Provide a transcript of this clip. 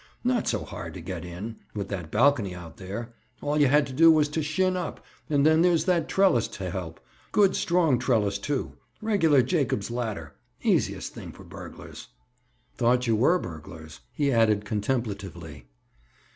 "Not so hard to get in, with that balcony out there. All you had to do was to 'shin up' and then there's that trellis to help. Good strong trellis, too. Regular Jacob's ladder! Easiest thing for burglars! Thought you were burglars," he added contemplatively.